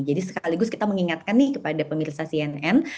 jadi sekaligus kita mengingatkan nih kepada pemirsa cnn